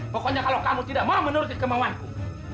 pokoknya kalau kamu tidak mau menuruti kemauanku